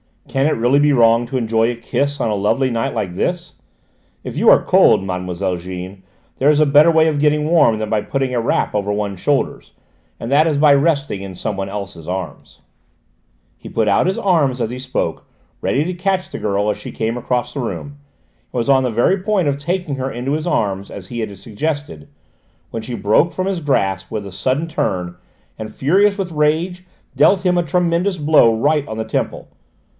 "Can it really be wrong to enjoy a kiss, on a lovely night like this? If you are cold, Mademoiselle Jeanne, there is a better way of getting warm than by putting a wrap over one's shoulders: and that is by resting in someone else's arms." He put out his arms as he spoke, ready to catch the girl as she came across the room, and was on the very point of taking her into his arms as he had suggested, when she broke from his grasp with a sudden turn and, furious with rage, dealt him a tremendous blow right on the temple.